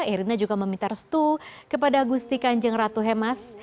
irina juga meminta restu kepada gusti kanjeng ratu hemas